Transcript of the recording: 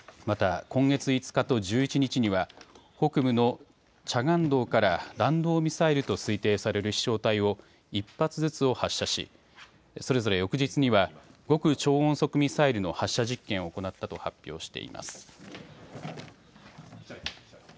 また今月５日と１１日には北部のチャガン道から弾道ミサイルと推定される飛しょう体１発ずつを発射しそれぞれ翌日には極超音速ミサイルの発射実験を行ったと発表しています。